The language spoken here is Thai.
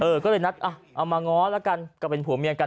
ก็เลยนัดอ่ะเอามาง้อแล้วกันก็เป็นผัวเมียกัน